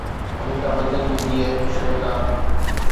اميتاڀ بچن جي ڌيءَ شيوتا